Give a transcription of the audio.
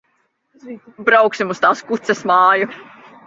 Brauksim uz tās kuces māju.